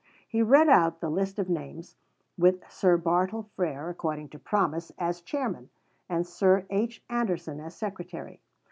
He read out the list of names; with Sir Bartle Frere, according to promise, as chairman, and Sir H. Anderson as secretary.